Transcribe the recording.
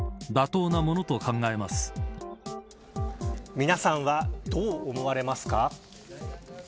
皆さんはどう思われますか。